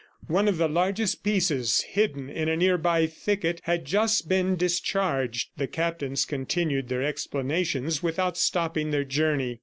One of the largest pieces, hidden in the nearby thicket, had just been discharged. The captains continued their explanations without stopping their journey.